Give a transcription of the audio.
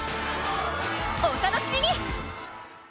お楽しみに！